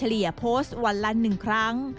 เฉลี่ยโพสต์วันละหนึ่งครั้ง